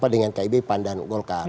dengan kib pandan golkar